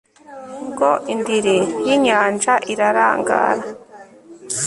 ubwo indiri y'inyanja irarangara